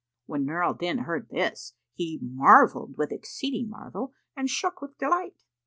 When Nur al Din heard this, he marvelled with exceeding marvel and shook with delight.